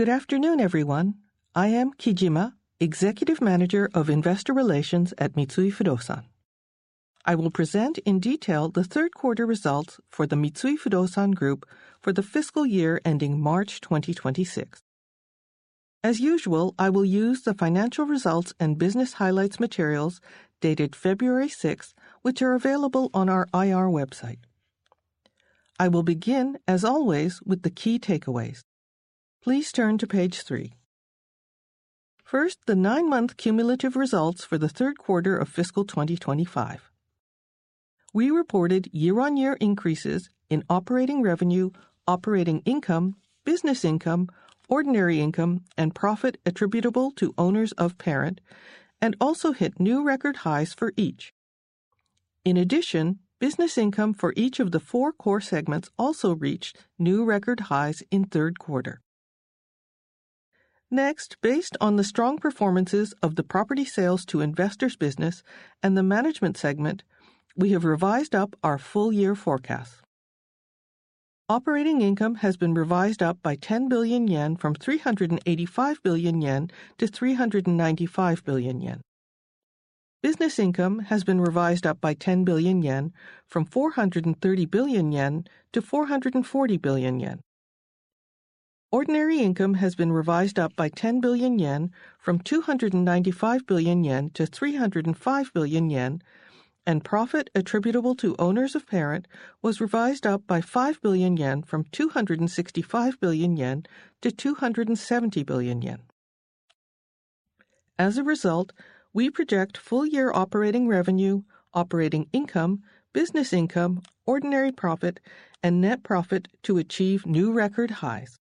Good afternoon, everyone. I am Kijima, Executive Manager of Investor Relations at Mitsui Fudosan. I will present in detail the third quarter results for the Mitsui Fudosan Group for the fiscal year ending March 2026. As usual, I will use the financial results and business highlights materials dated February 6, which are available on our IR website. I will begin, as always, with the key takeaways. Please turn to page 3. First, the 9-month cumulative results for the third quarter of fiscal 2025. We reported year-on-year increases in operating revenue, operating income, business income, ordinary income, and profit attributable to owners of parent, and also hit new record highs for each. In addition, business income for each of the four core segments also reached new record highs in third quarter. Next, based on the strong performances of the property sales to investors business and the management segment, we have revised up our full-year forecast. Operating income has been revised up by 10 billion yen from 385 billion yen to 395 billion yen. Business income has been revised up by 10 billion yen from 430 billion-440 billion yen. Ordinary income has been revised up by 10 billion yen from 295 billion yen to 305 billion yen, and profit attributable to owners of parent was revised up by 5 billion yen from 265 billion yen to 270 billion yen. As a result, we project full-year operating revenue, operating income, business income, ordinary profit, and net profit to achieve new record highs.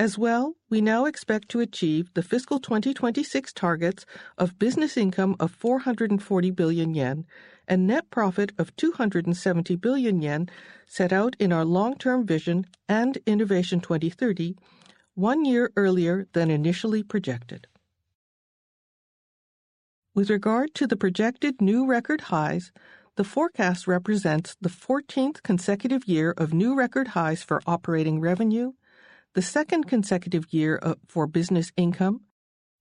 As well, we now expect to achieve the fiscal 2026 targets of business income of 440 billion yen and net profit of 270 billion yen set out in our long-term vision and Innovation 2030 one year earlier than initially projected. With regard to the projected new record highs, the forecast represents the 14th consecutive year of new record highs for operating revenue, the second consecutive year for business income,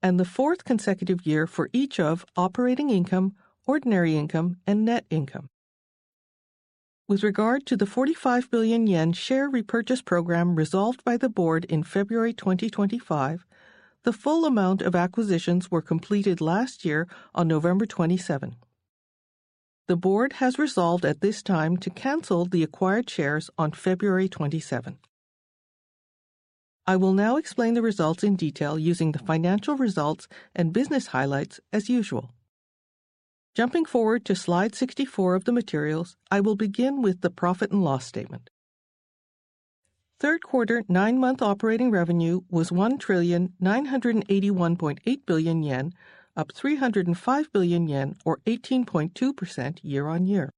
and the fourth consecutive year for each of operating income, ordinary income, and net income. With regard to the 45 billion yen share repurchase program resolved by the board in February 2025, the full amount of acquisitions were completed last year on November 27. The board has resolved at this time to cancel the acquired shares on February 27. I will now explain the results in detail using the financial results and business highlights as usual. Jumping forward to slide 64 of the materials, I will begin with the profit and loss statement. Third quarter 9-month operating revenue was 1,981.8 billion yen, up 305 billion yen or 18.2% year-on-year.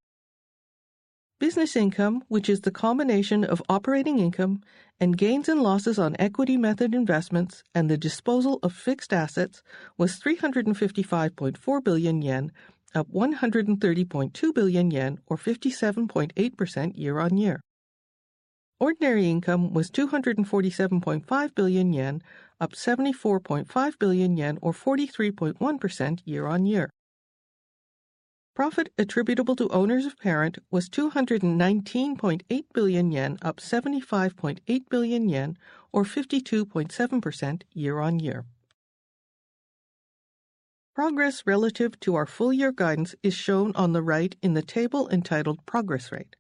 Business income, which is the combination of operating income and gains and losses on equity method investments and the disposal of fixed assets, was 355.4 billion yen, up 130.2 billion yen or 57.8% year-on-year. Ordinary income was 247.5 billion yen, up 74.5 billion yen or 43.1% year-on-year. Profit attributable to owners of parent was 219.8 billion yen, up 75.8 billion yen or 52.7% year-on-year. Progress relative to our full-year guidance is shown on the right in the table entitled Progress Rate.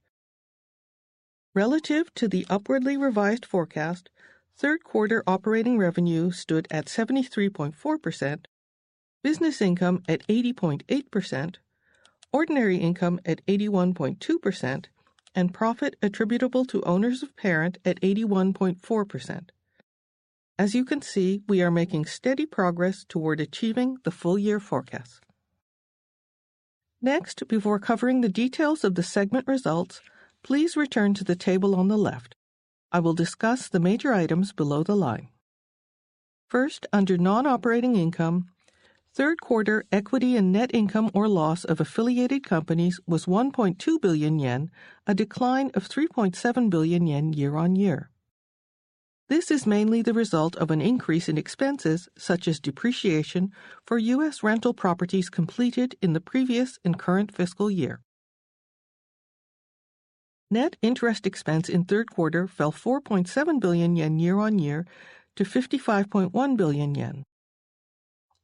Relative to the upwardly revised forecast, third quarter operating revenue stood at 73.4%, business income at 80.8%, ordinary income at 81.2%, and profit attributable to owners of parent at 81.4%. As you can see, we are making steady progress toward achieving the full-year forecast. Next, before covering the details of the segment results, please return to the table on the left. I will discuss the major items below the line. First, under non-operating income, third quarter equity and net income or loss of affiliated companies was 1.2 billion yen, a decline of 3.7 billion yen year-on-year. This is mainly the result of an increase in expenses such as depreciation for U.S. rental properties completed in the previous and current fiscal year. Net interest expense in third quarter fell 4.7 billion yen year-on-year to 55.1 billion yen.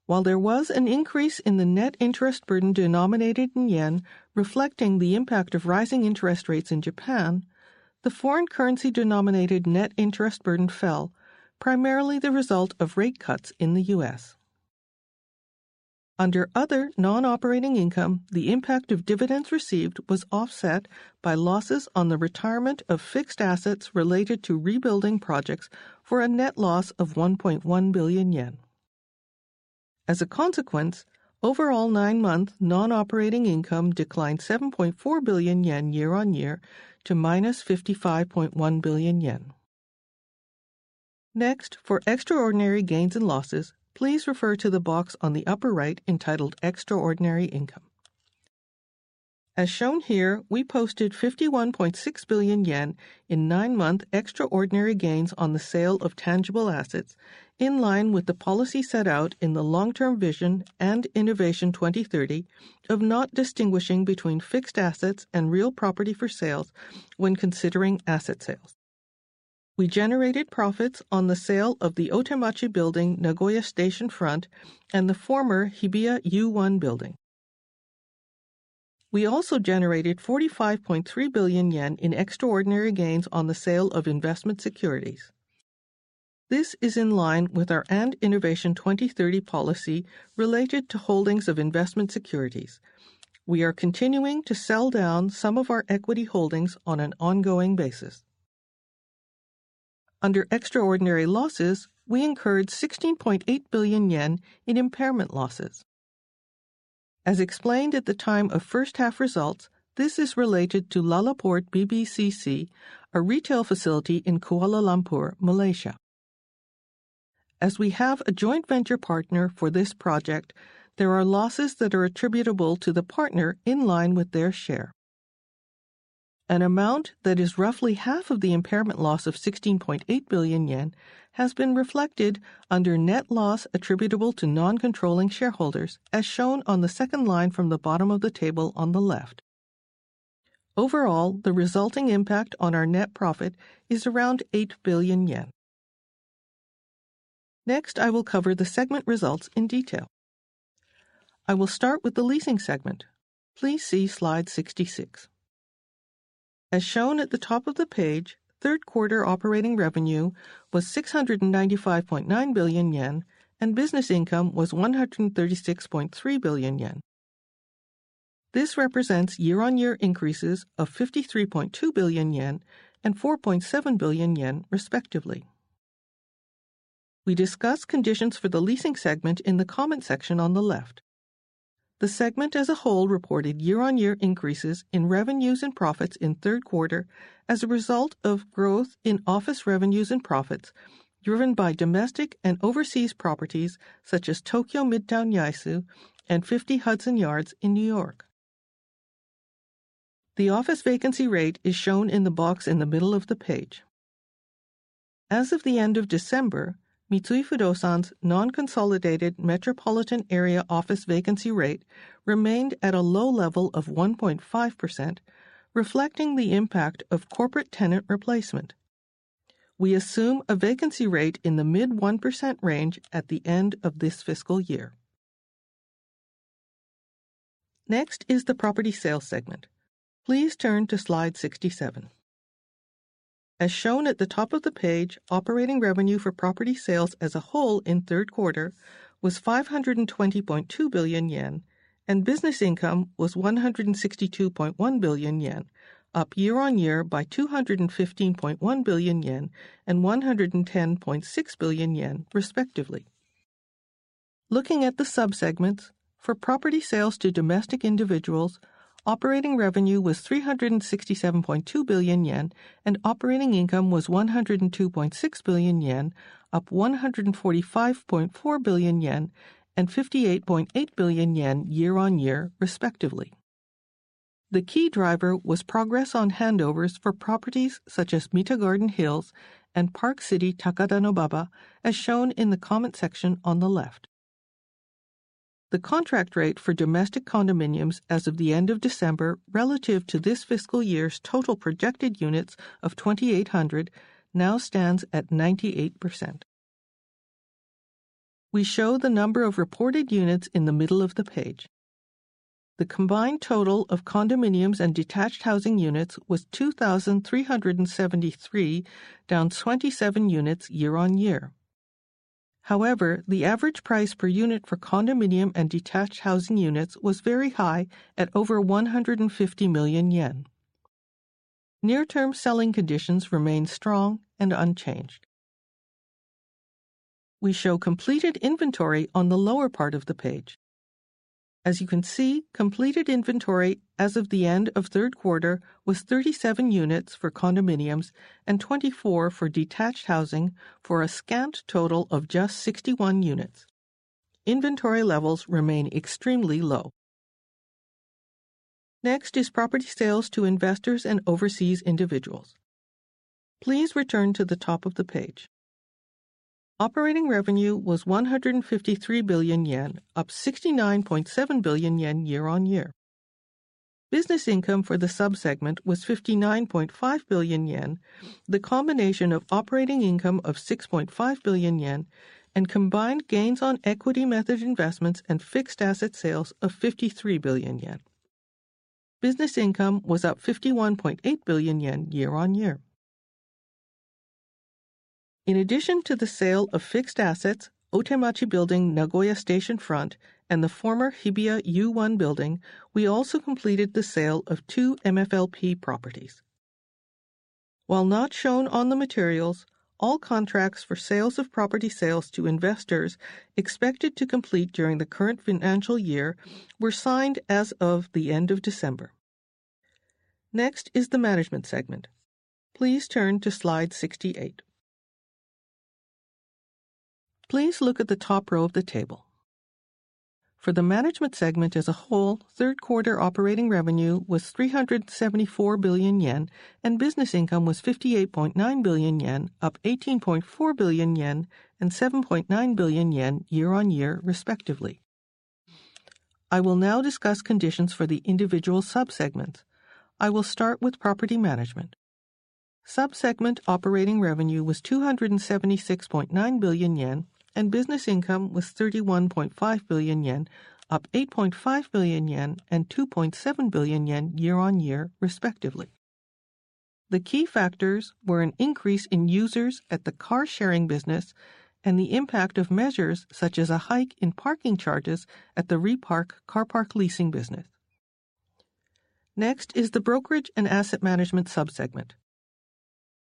While there was an increase in the net interest burden denominated in yen reflecting the impact of rising interest rates in Japan, the foreign currency denominated net interest burden fell, primarily the result of rate cuts in the U.S. Under other non-operating income, the impact of dividends received was offset by losses on the retirement of fixed assets related to rebuilding projects for a net loss of 1.1 billion yen. As a consequence, overall 9-month non-operating income declined 7.4 billion yen year-on-year to -55.1 billion yen. Next, for extraordinary gains and losses, please refer to the box on the upper right entitled Extraordinary Income. As shown here, we posted 51.6 billion yen in 9-month extraordinary gains on the sale of tangible assets in line with the policy set out in the long-term vision and Innovation 2030 of not distinguishing between fixed assets and real property for sales when considering asset sales. We generated profits on the sale of the Otemachi Building, Nagoya Station front and the former Hibiya U-1 Building. We also generated 45.3 billion yen in extraordinary gains on the sale of investment securities. This is in line with our INVESTMENT 2030 policy related to holdings of investment securities. We are continuing to sell down some of our equity holdings on an ongoing basis. Under extraordinary losses, we incurred 16.8 billion yen in impairment losses. As explained at the time of first-half results, this is related to LaLaport BBCC, a retail facility in Kuala Lumpur, Malaysia. As we have a joint venture partner for this project, there are losses that are attributable to the partner in line with their share. An amount that is roughly half of the impairment loss of 16.8 billion yen has been reflected under net loss attributable to non-controlling shareholders, as shown on the second line from the bottom of the table on the left. Overall, the resulting impact on our net profit is around 8 billion yen. Next, I will cover the segment results in detail. I will start with the leasing segment. Please see slide 66. As shown at the top of the page, third quarter operating revenue was 695.9 billion yen and business income was 136.3 billion yen. This represents year-on-year increases of 53.2 billion yen and 4.7 billion yen, respectively. We discussed conditions for the leasing segment in the comment section on the left. The segment as a whole reported year-on-year increases in revenues and profits in third quarter as a result of growth in office revenues and profits driven by domestic and overseas properties such as Tokyo Midtown Yaesu and 50 Hudson Yards in New York. The office vacancy rate is shown in the box in the middle of the page. As of the end of December, Mitsui Fudosan's non-consolidated metropolitan area office vacancy rate remained at a low level of 1.5%, reflecting the impact of corporate tenant replacement. We assume a vacancy rate in the mid-1% range at the end of this fiscal year. Next is the property sales segment. Please turn to slide 67. As shown at the top of the page, operating revenue for property sales as a whole in third quarter was 520.2 billion yen and business income was 162.1 billion yen, up year-on-year by 215.1 billion yen and 110.6 billion yen, respectively. Looking at the subsegments, for property sales to domestic individuals, operating revenue was 367.2 billion yen and operating income was 102.6 billion yen, up 145.4 billion yen and 58.8 billion yen year-on-year, respectively. The key driver was progress on handovers for properties such as Mita Garden Hills and Park City Takadanobaba, as shown in the comment section on the left. The contract rate for domestic condominiums as of the end of December relative to this fiscal year's total projected units of 2,800 now stands at 98%. We show the number of reported units in the middle of the page. The combined total of condominiums and detached housing units was 2,373, down 27 units year-on-year. However, the average price per unit for condominium and detached housing units was very high at over 150 million yen. Near-term selling conditions remain strong and unchanged. We show completed inventory on the lower part of the page. As you can see, completed inventory as of the end of third quarter was 37 units for condominiums and 24 for detached housing for a scant total of just 61 units. Inventory levels remain extremely low. Next is property sales to investors and overseas individuals. Please return to the top of the page. Operating revenue was 153 billion yen, up 69.7 billion yen year-on-year. Business income for the subsegment was 59.5 billion yen, the combination of operating income of 6.5 billion yen and combined gains on equity method investments and fixed asset sales of 53 billion yen. Business income was up 51.8 billion yen year-on-year. In addition to the sale of fixed assets, Otemachi Building Nagoya Station front and the former Hibiya U-1 Building, we also completed the sale of two MFLP properties. While not shown on the materials, all contracts for sales of property sales to investors expected to complete during the current financial year were signed as of the end of December. Next is the management segment. Please turn to slide 68. Please look at the top row of the table. For the management segment as a whole, third quarter operating revenue was 374 billion yen and business income was 58.9 billion yen, up 18.4 billion yen and 7.9 billion yen year-on-year, respectively. I will now discuss conditions for the individual subsegments. I will start with property management. Subsegment operating revenue was 276.9 billion yen and business income was 31.5 billion yen, up 8.5 billion yen and 2.7 billion yen year-on-year, respectively. The key factors were an increase in users at the car-sharing business and the impact of measures such as a hike in parking charges at the Repark car park leasing business. Next is the brokerage and asset management subsegment.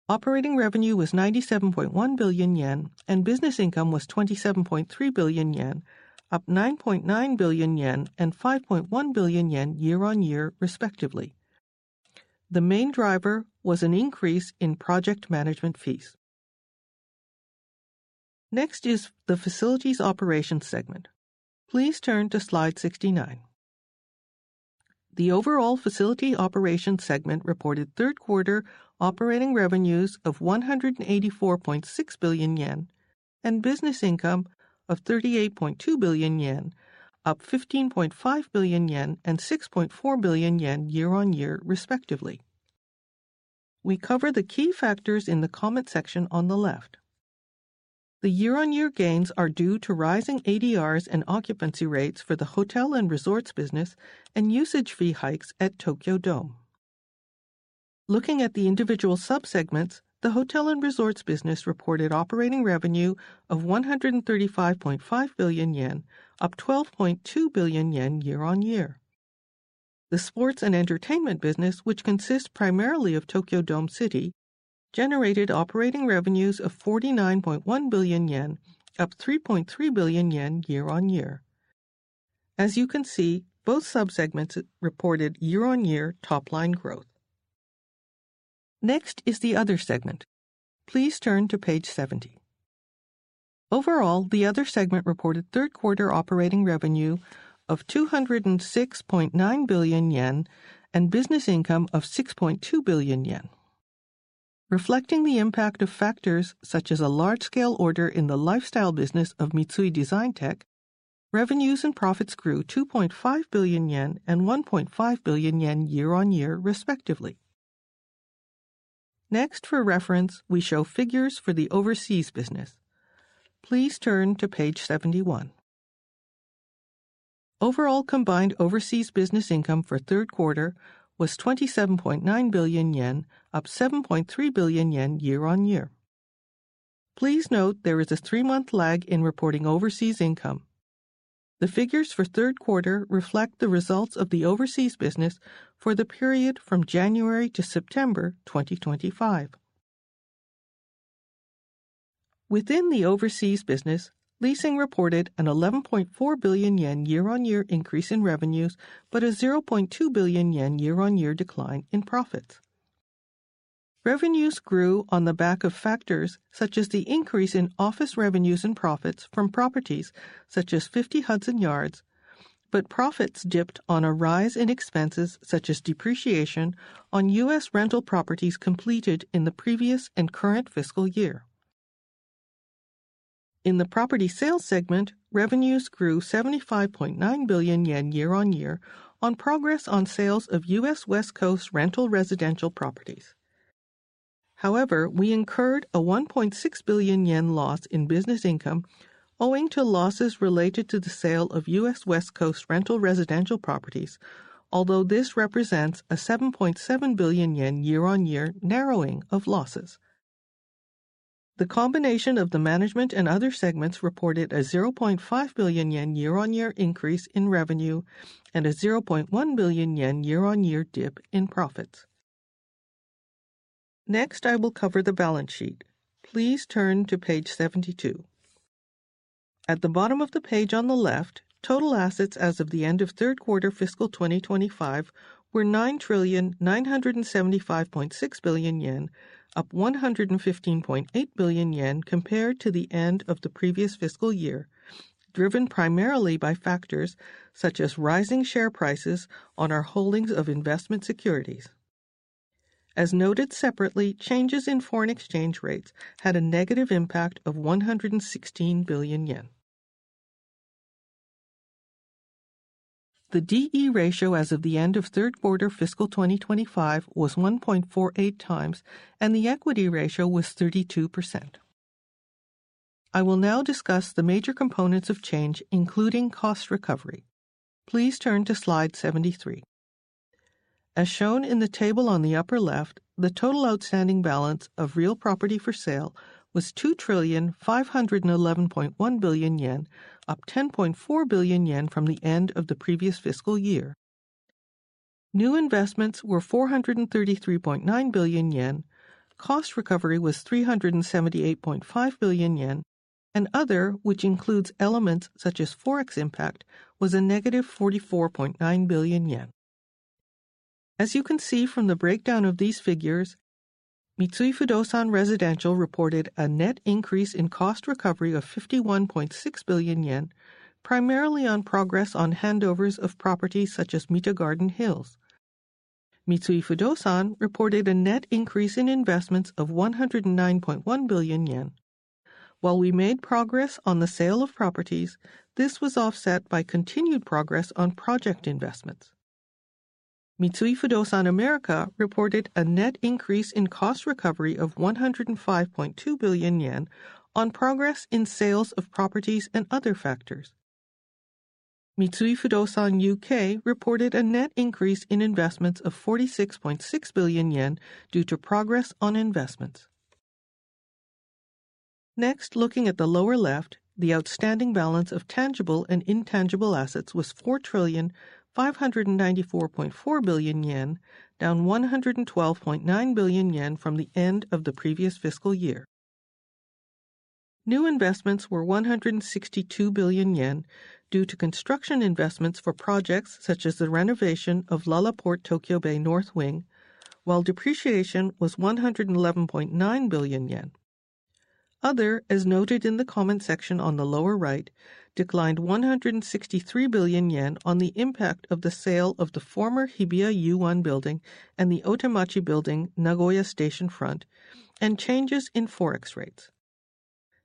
Operating revenue was 97.1 billion yen and business income was 27.3 billion yen, up 9.9 billion yen and 5.1 billion yen year-on-year, respectively. The main driver was an increase in project management fees. Next is the facilities operations segment. Please turn to slide 69. The overall facility operations segment reported third quarter operating revenues of 184.6 billion yen and business income of 38.2 billion yen, up 15.5 billion yen and 6.4 billion yen year-on-year, respectively. We cover the key factors in the comment section on the left. The year-on-year gains are due to rising ADRs and occupancy rates for the hotel and resorts business and usage fee hikes at Tokyo Dome. Looking at the individual subsegments, the hotel and resorts business reported operating revenue of 135.5 billion yen, up 12.2 billion yen year-on-year. The sports and entertainment business, which consists primarily of Tokyo Dome City, generated operating revenues of 49.1 billion yen, up 3.3 billion yen year-on-year. As you can see, both subsegments reported year-on-year top-line growth. Next is the other segment. Please turn to page 70. Overall, the other segment reported third quarter operating revenue of 206.9 billion yen and business income of 6.2 billion yen. Reflecting the impact of factors such as a large-scale order in the lifestyle business of Mitsui Designtec, revenues and profits grew 2.5 billion yen and 1.5 billion yen year-on-year, respectively. Next, for reference, we show figures for the overseas business. Please turn to page 71. Overall combined overseas business income for third quarter was 27.9 billion yen, up 7.3 billion yen year-on-year. Please note there is a three-month lag in reporting overseas income. The figures for third quarter reflect the results of the overseas business for the period from January to September 2025. Within the overseas business, leasing reported an 11.4 billion yen year-on-year increase in revenues but a 0.2 billion yen year-on-year decline in profits. Revenues grew on the back of factors such as the increase in office revenues and profits from properties such as 50 Hudson Yards, but profits dipped on a rise in expenses such as depreciation on U.S. rental properties completed in the previous and current fiscal year. In the property sales segment, revenues grew 75.9 billion yen year-on-year on progress on sales of U.S. West Coast rental residential properties. However, we incurred a 1.6 billion yen loss in business income owing to losses related to the sale of U.S. West Coast rental residential properties, although this represents a 7.7 billion yen year-on-year narrowing of losses. The combination of the management and other segments reported a 0.5 billion yen year-on-year increase in revenue and a 0.1 billion yen year-on-year dip in profits. Next, I will cover the balance sheet. Please turn to page 72. At the bottom of the page on the left, total assets as of the end of third quarter fiscal 2025 were 9,975.6 billion yen, up 115.8 billion yen compared to the end of the previous fiscal year, driven primarily by factors such as rising share prices on our holdings of investment securities. As noted separately, changes in foreign exchange rates had a negative impact of 116 billion yen. The DE ratio as of the end of third quarter fiscal 2025 was 1.48 times and the equity ratio was 32%. I will now discuss the major components of change, including cost recovery. Please turn to slide 73. As shown in the table on the upper left, the total outstanding balance of real property for sale was 2,511.1 billion yen, up 10.4 billion yen from the end of the previous fiscal year. New investments were 433.9 billion yen, cost recovery was 378.5 billion yen, and other, which includes elements such as forex impact, was -44.9 billion yen. As you can see from the breakdown of these figures, Mitsui Fudosan Residential reported a net increase in cost recovery of 51.6 billion yen, primarily on progress on handovers of properties such as Mita Garden Hills. Mitsui Fudosan reported a net increase in investments of 109.1 billion yen. While we made progress on the sale of properties, this was offset by continued progress on project investments. Mitsui Fudosan America reported a net increase in cost recovery of 105.2 billion yen on progress in sales of properties and other factors. Mitsui Fudosan UK reported a net increase in investments of 46.6 billion yen due to progress on investments. Next, looking at the lower left, the outstanding balance of tangible and intangible assets was 4,594.4 billion yen, down 112.9 billion yen from the end of the previous fiscal year. New investments were 162 billion yen due to construction investments for projects such as the renovation of LaLaport Tokyo Bay North Wing, while depreciation was 111.9 billion yen. Other, as noted in the comment section on the lower right, declined 163 billion yen on the impact of the sale of the former Hibiya U-1 Building and the Otemachi Building Nagoya Station front and changes in forex rates.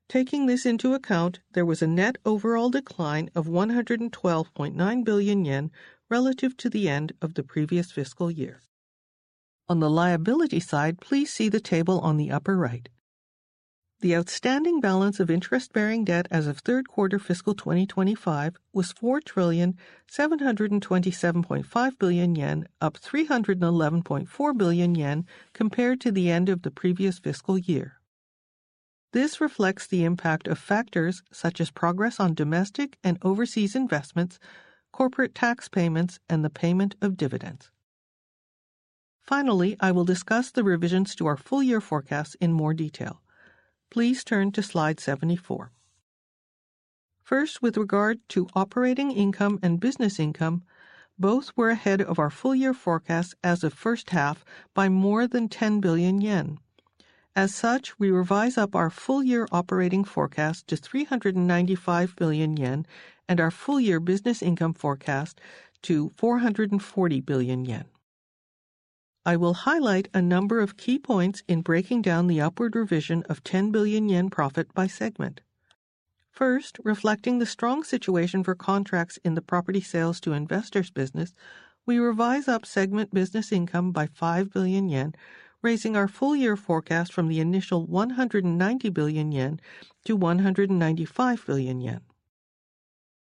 Taking this into account, there was a net overall decline of 112.9 billion yen relative to the end of the previous fiscal year. On the liability side, please see the table on the upper right. The outstanding balance of interest-bearing debt as of third quarter fiscal 2025 was 4,727.5 billion yen, up 311.4 billion yen compared to the end of the previous fiscal year. This reflects the impact of factors such as progress on domestic and overseas investments, corporate tax payments, and the payment of dividends. Finally, I will discuss the revisions to our full-year forecast in more detail. Please turn to slide 74. First, with regard to operating income and business income, both were ahead of our full-year forecast as of first half by more than 10 billion yen. As such, we revise up our full-year operating forecast to 395 billion yen and our full-year business income forecast to 440 billion yen. I will highlight a number of key points in breaking down the upward revision of 10 billion yen profit by segment. First, reflecting the strong situation for contracts in the property sales to investors business, we revise up segment business income by 5 billion yen, raising our full-year forecast from the initial 190 billion-195 billion yen.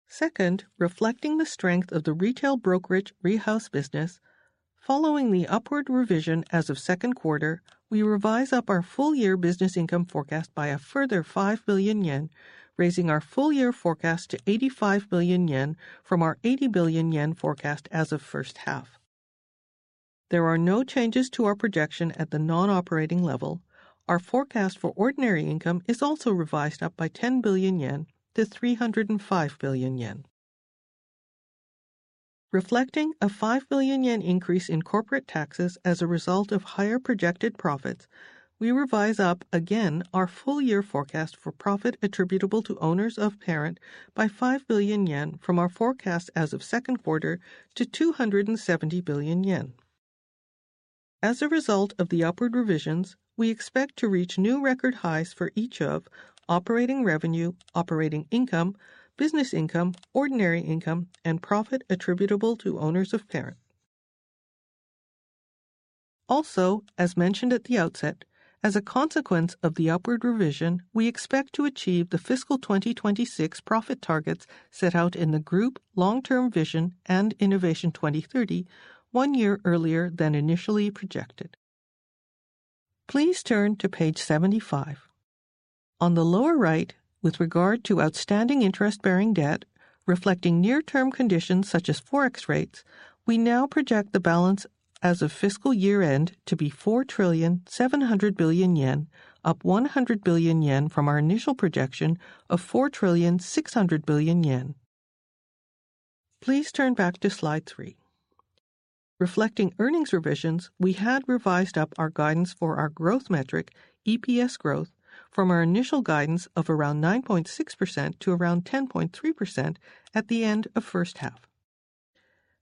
Second, reflecting the strength of the retail brokerage Rehouse business, following the upward revision as of second quarter, we revise up our full-year business income forecast by a further 5 billion yen, raising our full-year forecast to 85 billion yen from our 80 billion yen forecast as of first half. There are no changes to our projection at the non-operating level. Our forecast for ordinary income is also revised up by 10 billion yen to 305 billion yen. Reflecting a 5 billion yen increase in corporate taxes as a result of higher projected profits, we revise up, again, our full-year forecast for profit attributable to owners of parent by 5 billion yen from our forecast as of second quarter to 270 billion yen. As a result of the upward revisions, we expect to reach new record highs for each of operating revenue, operating income, business income, ordinary income, and profit attributable to owners of parent. Also, as mentioned at the outset, as a consequence of the upward revision, we expect to achieve the fiscal 2026 profit targets set out in the Group Long-Term Vision and Innovation 2030 one year earlier than initially projected. Please turn to page 75. On the lower right, with regard to outstanding interest-bearing debt, reflecting near-term conditions such as forex rates, we now project the balance as of fiscal year-end to be 4.7 trillion, up 100 billion yen from our initial projection of 4.6 trillion. Please turn back to slide 3. Reflecting earnings revisions, we had revised up our guidance for our growth metric, EPS growth, from our initial guidance of around 9.6% to around 10.3% at the end of first half.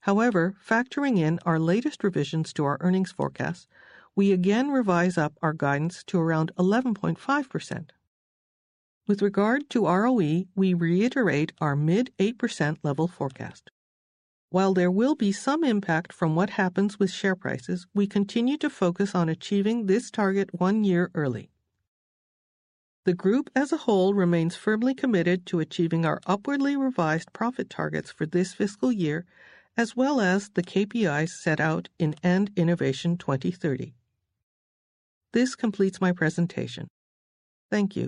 However, factoring in our latest revisions to our earnings forecast, we again revise up our guidance to around 11.5%. With regard to ROE, we reiterate our mid-8% level forecast. While there will be some impact from what happens with share prices, we continue to focus on achieving this target one year early. The group as a whole remains firmly committed to achieving our upwardly revised profit targets for this fiscal year as well as the KPIs set out in End Innovation 2030. This completes my presentation. Thank you.